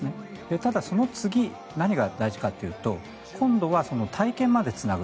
ただ、その次何が大事かというと今度は体験までつなぐ。